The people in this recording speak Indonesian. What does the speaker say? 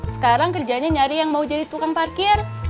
sekarang kerjanya nyari yang mau jadi tukang parkir